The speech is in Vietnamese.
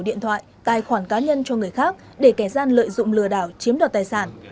để tránh bị mắc bẫy bỏ điện thoại tài khoản cá nhân cho người khác để kẻ gian lợi dụng lừa đảo chiếm đoạt tài sản